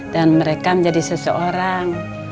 dan mereka menjadi seseorang